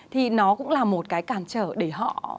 thì nó cũng là một cái cản trở để họ